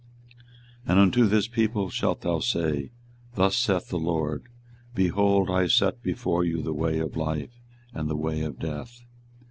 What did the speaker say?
24:021:008 And unto this people thou shalt say, Thus saith the LORD; Behold, I set before you the way of life, and the way of death.